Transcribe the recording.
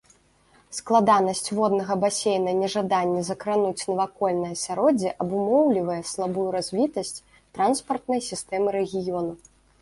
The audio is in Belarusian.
Складанасць воднага басейна і нежаданне закрануць навакольнае асяроддзе абумоўлівае слабую развітасць транспартнай сістэмы рэгіёну.